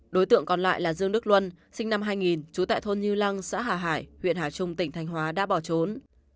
đối tượng còn lại là dương đức luân sinh năm hai nghìn trú tại thôn như lăng xã hà hải huyện hà trung tỉnh thanh hóa đã bỏ trốn